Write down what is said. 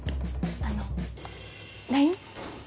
あのＬＩＮＥ。